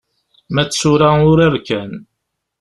Ma d tura urar kan.